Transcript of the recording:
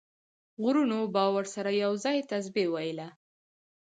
غرونو به ورسره یو ځای تسبیح ویله.